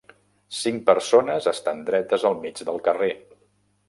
Cinc persones estan dretes al mig del carrer.